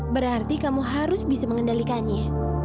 berarti kamu harus bisa mengendalikannya